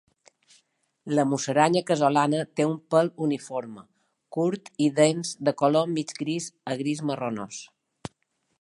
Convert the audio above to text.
La musaranya casolana té un pèl uniforme, curt i dens de color mig gris a gris marronós.